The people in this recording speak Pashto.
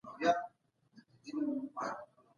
کله جبري ایستل غیر قانوني دي؟